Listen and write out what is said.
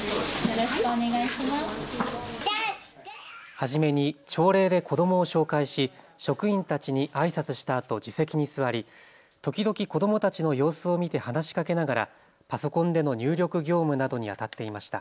初めに朝礼で子どもを紹介し職員たちにあいさつしたあと自席に座り、時々子どもたちの様子を見て話しかけながらパソコンでの入力業務などにあたっていました。